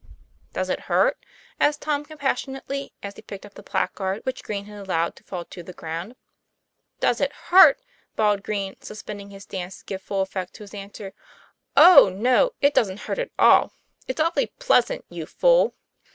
" Does it hurt ?" asked Tom compassionately, as he picked up the placard, which Green had allowed to fall to the ground. "Does it hurt?" bawled Green, suspending his dance to give full effect to his answer. 'Oh no! it doesn't hurt at all. It's awful pleasant, you fool!"